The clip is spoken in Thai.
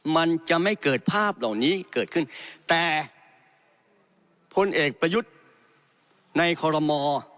มันจะไม่เกิดภาพเหล่านี้เกิดขึ้นแต่พลเอกประยุทธ์ในคอลโลมอ